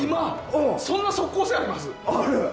そんな即効性あります？